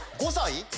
「５歳」